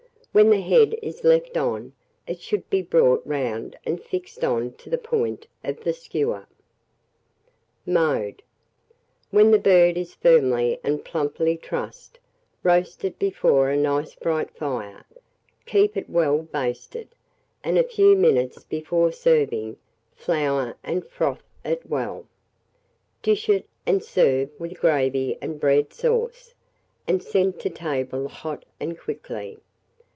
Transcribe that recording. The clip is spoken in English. When the head is left on, it should be brought round and fixed on to the point of the skewer. [Illustration: ROAST PARTRIDGE.] Mode. When the bird is firmly and plumply trussed, roast it before a nice bright fire; keep it well basted, and a few minutes before serving, flour and froth it well. Dish it, and serve with gravy and bread sauce, and send to table hot and quickly.